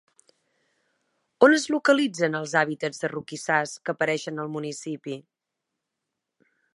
On es localitzen els hàbitats de roquissars que apareixen al municipi?